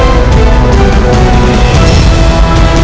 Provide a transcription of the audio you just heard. ini pemilik new york